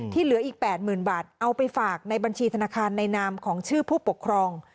เหลืออีก๘๐๐๐บาทเอาไปฝากในบัญชีธนาคารในนามของชื่อผู้ปกครอง